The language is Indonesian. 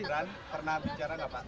mas ibran pernah bicara enggak pak